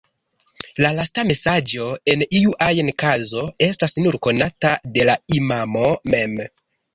La lasta mesaĝo en iu ajn kazo estas nur konata de la imamo mem.